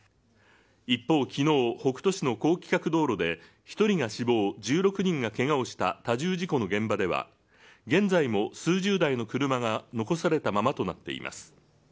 一方、きのう、北斗市の高規格道路で１人が死亡、１６人がけがをした多重事故の現場では、現在も数十台の車が残されたままとなっています。